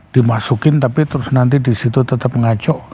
dimasukin tapi terus nanti disitu tetap ngaco